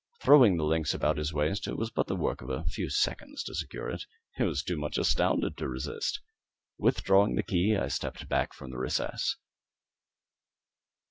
Throwing the links about his waist, it was but the work of a few seconds to secure it. He was too much astounded to resist. Withdrawing the key I stepped back from the recess.